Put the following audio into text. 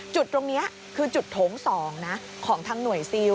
จุดตรงนี้คือจุดโถง๒นะของทางหน่วยซิล